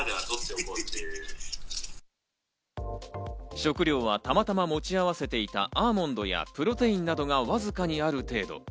食料は、たまたま持ち合わせていたアーモンドやプロテインなどが、わずかにある程度。